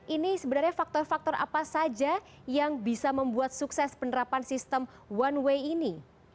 ini sebenarnya faktor faktor apa saja yang bisa membuat sukses penerapan sistem one way ini